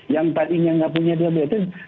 yang tadinya nggak punya diabetes